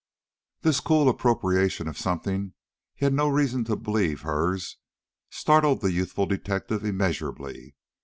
This cool appropriation of something he had no reason to believe hers, startled the youthful detective immeasurably.